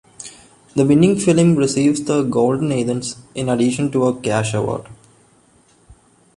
The winning film receives the Golden Athens in addition to a cash award.